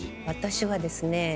私はですね